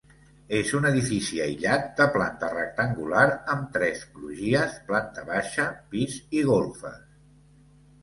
És un edifici aïllat, de planta rectangular amb tres crugies, planta baixa, pis i golfes.